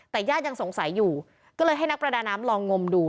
แต่ญาติยังสงสัยอยู่ก็เลยให้นักประดาน้ำลองงมดู